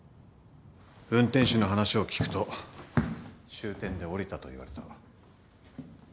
運転手の話を聞くと終点で降りたと言われた。